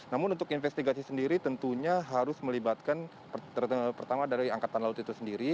namun untuk investigasi sendiri tentunya harus melibatkan pertama dari angkatan laut itu sendiri